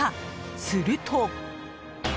すると。